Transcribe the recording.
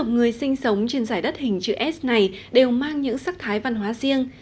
người sinh sống trên giải đất hình chữ s này đều mang những sắc thái văn hóa riêng